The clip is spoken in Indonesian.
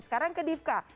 sekarang ke divka